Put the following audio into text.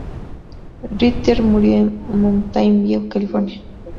Ritter murió en Mountain View, California.